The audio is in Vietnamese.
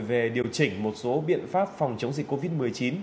về điều chỉnh một số biện pháp phòng chống dịch covid một mươi chín